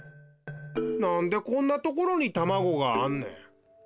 なんでこんなところにたまごがあんねん。